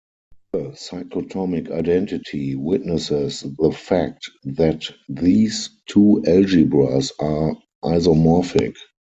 The cyclotomic identity witnesses the fact that these two algebras are isomorphic.